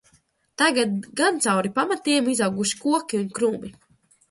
Tagad gan cauri pamatiem izauguši koki un krūmi.